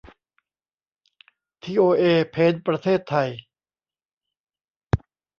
ทีโอเอ เพ้นท์ ประเทศไทย